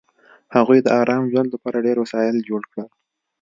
هغوی د ارام ژوند لپاره ډېر وسایل جوړ کړل